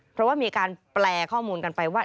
เพราะว่ามีการแปลข้อมูลกันไปว่า